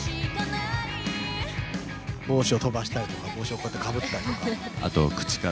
帽子を飛ばしたりとか帽子をこうやってかぶったりとか。